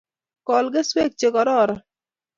Kol keswek chekororon